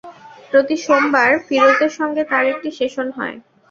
প্রতি সোমবার ফিরোজের সঙ্গে তাঁর একটি সেশন হয়।